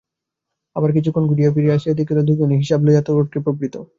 আবার কিছুক্ষণ ঘুরিয়া ফিরিয়া ঘরে আসিয়া দেখিল, দুইজনে হিসাব লইয়া তর্কে প্রবৃত্ত।